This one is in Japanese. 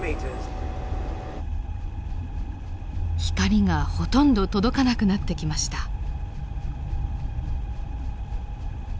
光がほとんど届かなくなってきました。